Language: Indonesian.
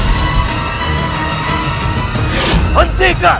selama tiga hari